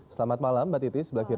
selamat malam mbak titi sebelah kiri